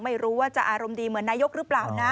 ไม่รู้ว่าจะอารมณ์ดีเหมือนนายกหรือเปล่านะ